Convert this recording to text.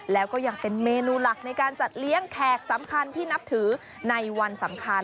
แล้วก็ยังเป็นเมนูหลักในการจัดเลี้ยงแขกสำคัญที่นับถือในวันสำคัญ